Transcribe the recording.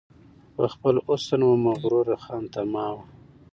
په خپل حسن وه مغروره خانتما وه